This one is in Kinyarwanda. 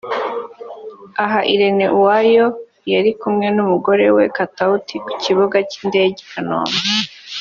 Aha Irene Uwoya yari kumwe n'umugabo we Katauti ku kibuga cy'indege i Kanombe